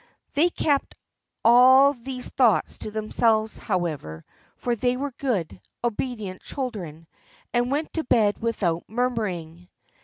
They kept all these thoughts to themselves, however, for they were good, obedient children, and went to bed without murmuring.